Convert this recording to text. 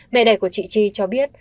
mẹ đẻ của chị chi cho biết